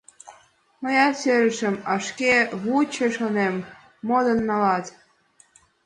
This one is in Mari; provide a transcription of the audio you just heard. Мыят сӧрышым, а шке: вучо, шонем, модын налат!